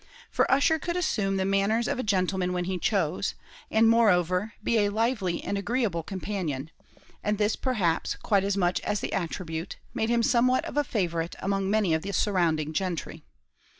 For Ussher could assume the manners of a gentleman when he chose, and moreover, be a lively and agreeable companion; and this, perhaps, quite as much as the attribute, made him somewhat of a favourite among many of the surrounding gentry.